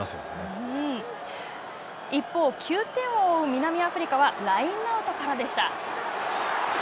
一方、９点を追う南アフリカはラインアウトからでした。